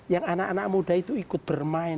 yang anak anak muda itu ikut bermain